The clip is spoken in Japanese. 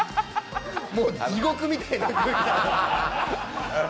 もう地獄みたいな空気で。